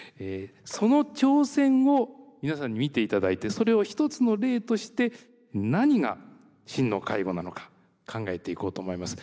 その挑戦を皆さんに見ていただいてそれを一つの例として何が真の介護なのか考えていこうと思います。